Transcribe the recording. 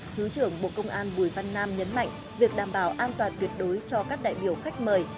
thứ trưởng bộ công an bùi văn nam nhấn mạnh việc đảm bảo an toàn tuyệt đối cho các đại biểu khách mời